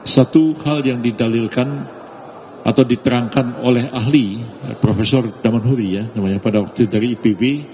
satu hal yang didalilkan atau diterangkan oleh ahli profesor daman huri ya pada waktu itu dari ipb